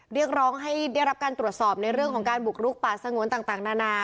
เรียกร้องให้ได้รับการตรวจสอบในเรื่องของการบุกรุกป่าสงวนต่างนานา